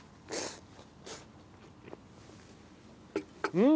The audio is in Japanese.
うん！